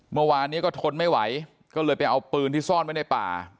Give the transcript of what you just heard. เมื่อวานนี้ก็ทนไม่ไหวก็เลยไปเอาปืนที่ซ่อนไว้ในป่า